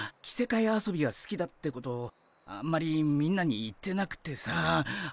着せかえ遊びがすきだってことあんまりみんなに言ってなくてさ。